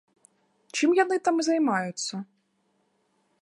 Чым яны там займаюцца?